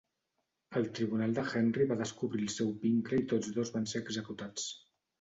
El tribunal de Henry va descobrir el seu vincle i tots dos van ser executats.